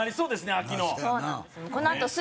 秋のそうなんです